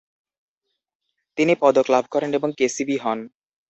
তিনি পদক লাভ করেন এবং কে.সি.বি. হন।